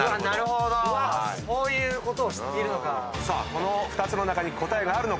この２つの中に答えがあるのか？